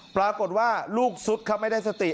ปรากฏว่าลูกสุดครับไม่ได้สติ